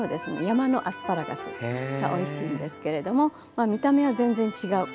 山のアスパラガスがおいしいんですけれどもまあ見た目は全然違う。